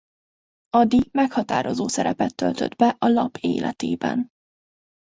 Ady meghatározó szerepet töltött be a lap életében.